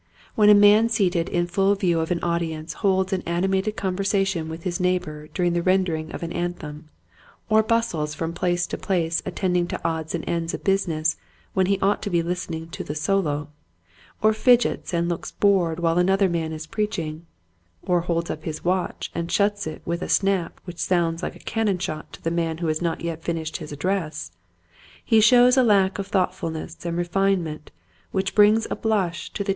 When a man seated in full view of an audience holds an animated con versation with his neighbor during the rendering of an anthem, or bustles from place to place attending to odds and ends of business when he ought to be listen ing to the solo, or fidgets and looks bored while another man is preaching, or holds up his watch and shuts it with a snap which sounds like a cannon shot to the man who has not yet finished his address, he shows a lack of thoughtfulness and refinement which brings a blush to the i6o Quiet Hints to Growing Preachers.